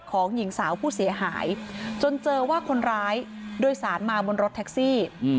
หญิงสาวผู้เสียหายจนเจอว่าคนร้ายโดยสารมาบนรถแท็กซี่